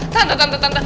tante tante tante